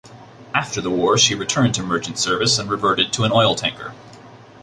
After the war she returned to merchant service and reverted to an oil tanker.